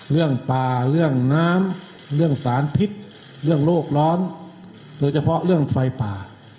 เรื่องป่าเรื่องน้ำเรื่องสารพิษเรื่องโลกร้อนโดยเฉพาะเรื่องไฟป่า